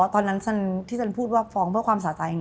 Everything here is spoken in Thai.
ตอนนั้นที่ฉันพูดว่าฟ้องเพื่อความสะใจ